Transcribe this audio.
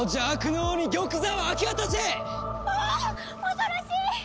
恐ろしい！